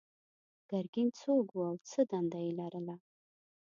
ګرګین څوک و او څه دنده یې لرله؟